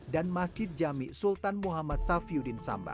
dan masjid jami sultan muhammad safiuddin sambas